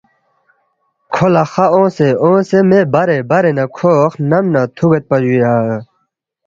کھو لہ خا اونگسے اونگسے مے برے برے نہ کھو خنم نہ تُھوگیدپا جُویا